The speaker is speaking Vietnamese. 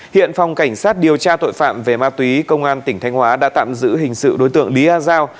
hiện phòng cảnh sát điều tra tội phạm về ma túy công an tỉnh thanh hóa đã tạm giữ hình sự đối tượng lý a giao